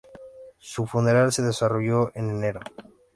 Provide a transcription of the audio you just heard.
Su funeral se desarrolló en enero.